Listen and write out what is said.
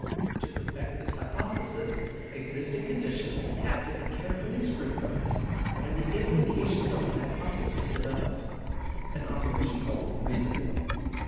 To perfect this hypothesis, existing conditions have to be carefully scrutinized and the implications of the hypothesis developed an operation called reasoning.